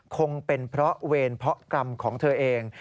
คงเป็นเพราะเวรเพาะกรรมของเธอเอง